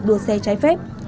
đua xe trái phép